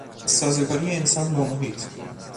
سازگاری انسان با محیط